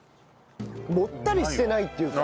もったりしてないっていうか。